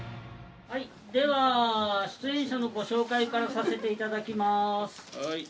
では出演者のご紹介からさせて頂きます。